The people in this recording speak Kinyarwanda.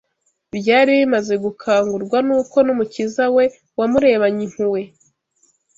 byari bimaze gukangurwa n’uko n’Umukiza we wamurebanye impuhwe